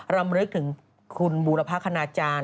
รำลึกถึงคุณบูรพนาจารย์